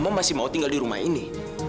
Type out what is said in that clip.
mama masih mau tinggal di rumah ini